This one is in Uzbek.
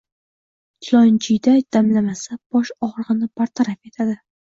Chilonjiyda damlamasi bosh og'rig'ini bartaraf etadi.